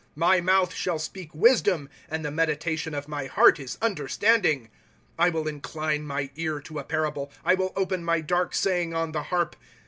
* My mouth shall speak wisdom, And the meditation of my heart is understanding. * I will incline my ear to a parable ; I will open my dark saying on the harp.